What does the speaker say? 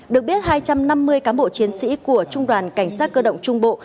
được biết hai trăm năm mươi cán bộ chiến sĩ của trung đoàn cảnh sát cơ động trung bộ